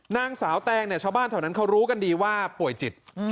นางสาวแตงเนี่ยชาวบ้านแถวนั้นเขารู้กันดีว่าป่วยจิต